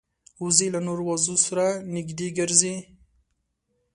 وزې له نورو وزو سره نږدې ګرځي